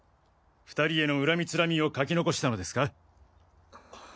２人への恨みつらみを書き残したのですか？